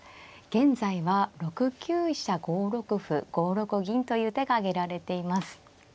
現在は６九飛車５六歩５六銀という手が挙げられています。